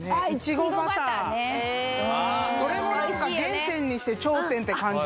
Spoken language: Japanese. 苺バターこれも何か原点にして頂点って感じ・